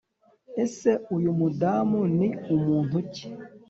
ese uyu mudamu ni umuntu iki?